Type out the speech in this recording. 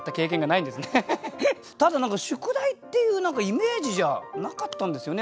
ただ何か「宿題」っていうイメージじゃなかったんですよね。